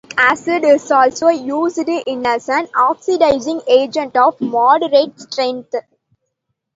Periodic acid is also used in as an oxidising agent of moderate strength.